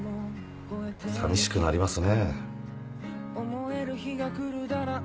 さみしくなりますね。